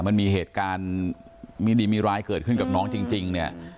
มันมีเหตุการณ์มีดีมีร้ายเกิดขึ้นกับน้องจริงเนี่ย